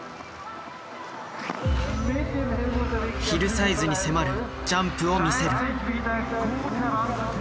ヒルサイズに迫るジャンプを見せる。